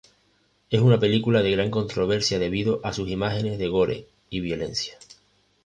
Es una película de gran controversia debido a sus imágenes de "gore" y violencia.